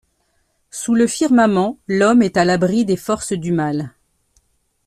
Sous le firmament, l'homme est à l'abri des forces du mal.